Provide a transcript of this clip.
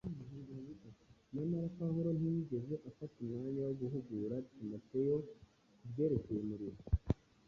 Nyamara Pawulo ntiyigeze afata umwanya wo guhugura Timoteyo ku byerekeye umurimo